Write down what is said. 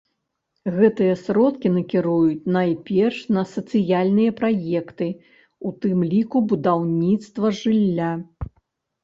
Гэтыя сродкі накіруюць найперш на сацыяльныя праекты, у тым ліку будаўніцтва жылля.